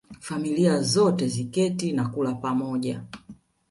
Familia zote ziketi na kula pamoja